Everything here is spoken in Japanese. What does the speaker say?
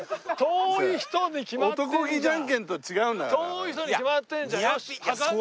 遠い人に決まってるじゃん。